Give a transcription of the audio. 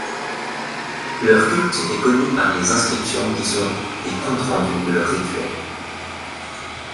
Leur culte est connu par les inscriptions qui sont des comptes-rendus de leurs rituels.